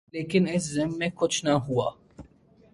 لیکن اس ضمن میں کچھ نہ ہوا